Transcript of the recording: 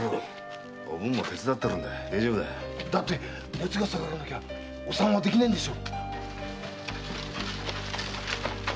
だって熱が下がんなきゃお産はできないんでしょ？